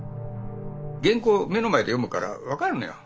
原稿を目の前で読むから分かるのよ。